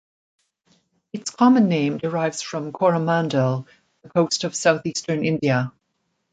Its common name derives from Coromandel, the coast of southeastern India.